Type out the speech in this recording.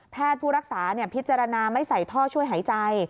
ผู้รักษาพิจารณาไม่ใส่ท่อช่วยหายใจ